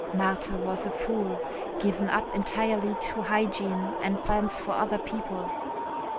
Marthe was a fool, given up entirely to hygiene and plans for other people.